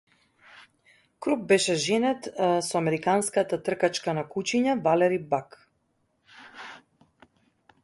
Krupp was married to American dogsled racer Valerie Buck.